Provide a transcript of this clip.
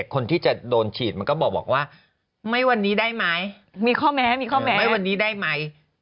คนที่จะโดนฉีดก็บอกว่าไม่วันนี้ได้มั้ย